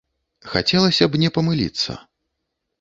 Хацелася б не памыліцца.